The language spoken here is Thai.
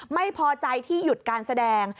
ไม่พอใจที่หยุดการแสดง